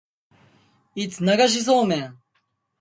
It's nagashi-soumen.